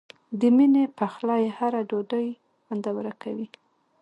د مینې پخلی هره ډوډۍ خوندوره کوي.